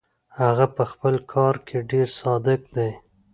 هغه پهخپل کار کې ډېر صادق دی.